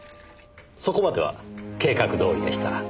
そこまでは計画どおりでした。